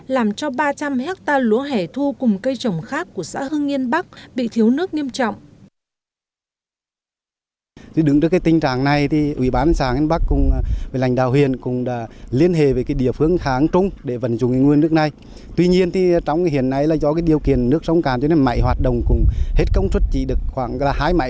làm cho ba trăm linh ha lúa hẻ thu cùng cây trồng khác của xã hưng yên bắc bị thiếu nước nghiêm trọng